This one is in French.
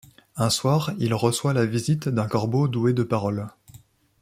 Un soir, il reçoit la visite d'un corbeau doué de parole.